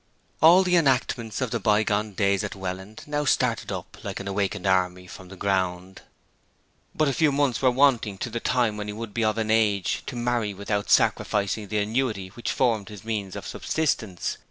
All the enactments of the bygone days at Welland now started up like an awakened army from the ground. But a few months were wanting to the time when he would be of an age to marry without sacrificing the annuity which formed his means of subsistence.